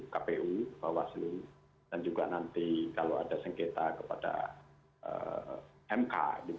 kpu bawaslu dan juga nanti kalau ada sengketa kepada mk